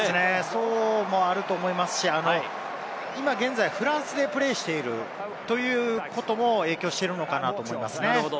それもあると思いますし、今、現在フランスでプレーしているということも影響しているのかなと思いますね。